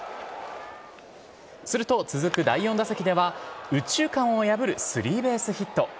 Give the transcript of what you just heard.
すると、続く第４打席では、右中間を破るスリーベースヒット。